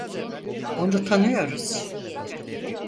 Onu tanıyoruz.